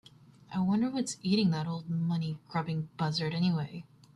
I wonder what's eating that old money grubbing buzzard anyway?